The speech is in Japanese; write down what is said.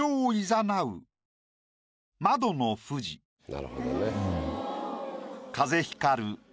なるほどね。